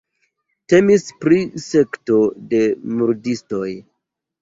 Temis pri sekto de murdistoj.